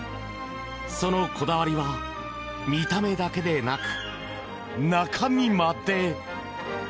そのこだわりは見た目だけでなく中身まで。